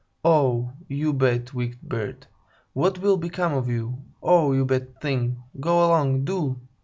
"Oh, you bad, wicked bird! What will become of you? Oh, you bad thing! Go along, do!